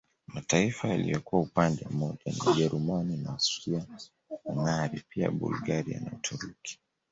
Mataifa yaliyokuwa upande mmoja ni Ujerumani na Austria Hungaria pia Bulgaria na Uturuki